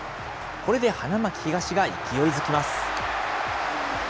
これで花巻東が勢いづきます。